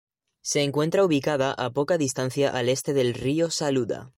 Se encuentra ubicada a poca distancia al este del río Saluda.